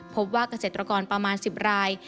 พบว่าเกษตรกรประมาณ๑๐ราย